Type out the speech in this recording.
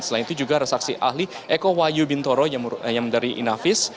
selain itu juga resaksi ahli eko wayu bintoro yang dari inafis